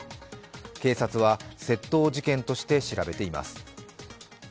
警察は窃盗事件として調べています。